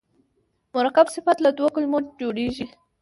مرکب صفت له دوو کلمو جوړیږي.